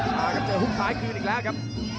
มาครับเจอฮุกซ้ายคืนอีกแล้วครับ